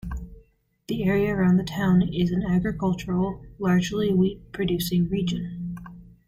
The area around the town is an agricultural, largely wheat-producing region.